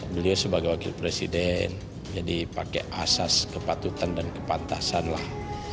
beliau sebagai wakil presiden jadi pakai asas kepatutan dan kepantasan lah